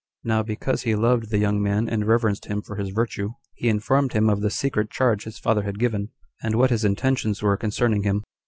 Now, because he loved the young man, and reverenced him for his virtue, he informed him of the secret charge his father had given, and what his intentions were concerning him.